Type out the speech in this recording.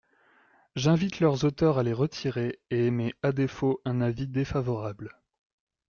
J’invite leurs auteurs à les retirer et émets à défaut un avis défavorable.